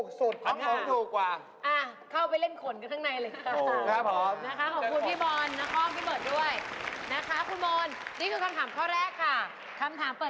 คุณมายความว่าคุณผ้ากุ้งเขาไร้ประโยชน์ขนาดนั้นเลย